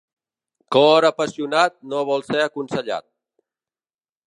Cor apassionat no vol ser aconsellat.